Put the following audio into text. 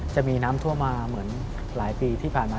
จะมีน้ำท่วมมาเหมือนหลายปีที่ผ่านมา